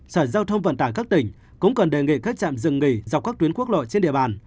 sở giao thông vận tải các tỉnh cũng cần đề nghị các trạm dừng nghỉ dọc các tuyến quốc lộ trên địa bàn